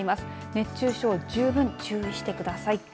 熱中症、十分注意してください。